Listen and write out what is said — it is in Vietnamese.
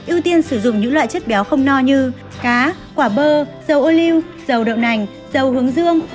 ưu tiên sử dụng những loại chất béo không no như cá quả bơ dầu ô lưu dầu đậu nành dầu hướng dương